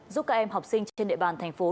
giúp các em học sinh trên địa bàn thành phố